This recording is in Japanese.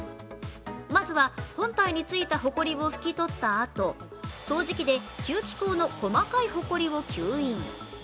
まずは本体についたほこりをふきとったあと掃除機で吸気口の細かいほこりを吸引。